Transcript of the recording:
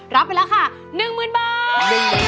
รับไปแล้วค่ะหนึ่งหมื่นบาท